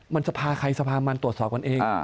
มันจะพาใครสภามันตรวจสอบกันเอง